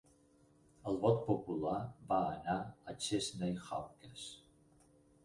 El vot popular va anar a Chesney Hawkes.